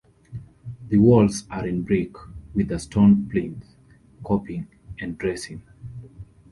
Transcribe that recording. The walls are in brick, with a stone plinth, coping and dressings.